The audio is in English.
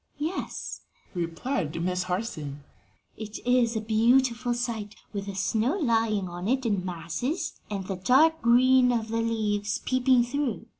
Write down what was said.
"Yes," replied Miss Harson; "it is a beautiful sight with the snow lying on it in masses and the dark green of the leaves peeping through.